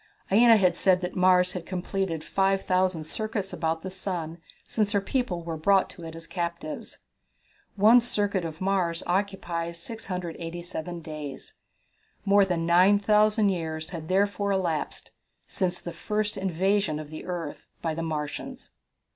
Aina had said that Mars had completed 5,000 circuits about the sun since her people were brought to it as captives. One circuit of Mars occupies 687 days. More than 9,000 years had therefore elapsed since the first invasion of the earth by the Martians.